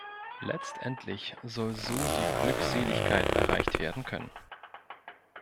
Letztendlich soll so die Glückseligkeit erreicht werden können.